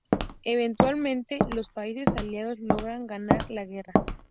Eventualmente, los países aliados logran ganar la guerra.